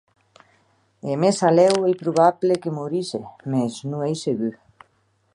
O mèsalèu ei probable que morisse, mès que non ei segur.